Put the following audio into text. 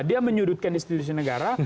dia menyudutkan institusi negara